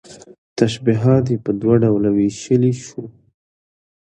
تشبيهات په دوه ډوله ويشلى شو